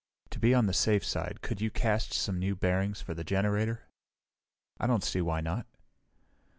To be on the safe side, could you cast some new bearings for the generator?" "I don't see why not."